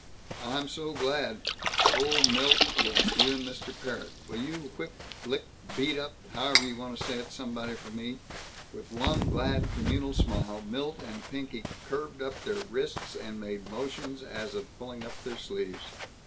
"I'm so glad. Oh, Milt yes, and you, Mr. Parrott will you whip lick beat up however you want to say it somebody for me?" With one glad communal smile Milt and Pinky curved up their wrists and made motions as of pulling up their sleeves.